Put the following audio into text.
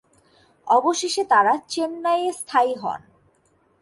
অবশেষে তারা চেন্নাইয়ে স্থায়ী হন।